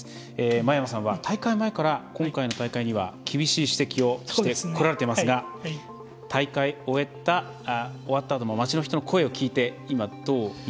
真山さんは大会前から今回の大会には厳しい指摘をしてこられていますが大会、終わったあとの街の人の声を聞いて今、どう見ましたか？